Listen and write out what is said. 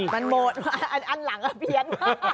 มันหมดอันหลังอ่ะเปลี่ยน